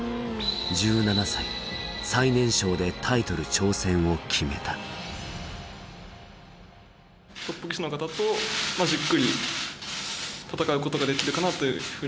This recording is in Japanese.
１７歳最年少でタイトル挑戦を決めたトップ棋士の方とじっくり戦うことができるかなというふうに思ってるので。